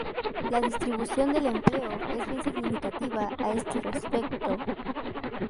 La distribución del empleo es bien significativa a este respecto.